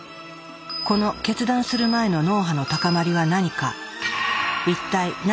この決断する前の脳波の高まりは何か。